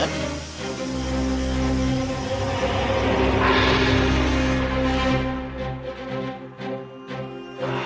aku ingin menangkapmu